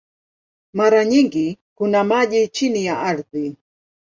Mara nyingi kuna maji chini ya ardhi.